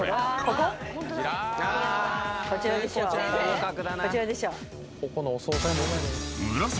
こちらでしょ。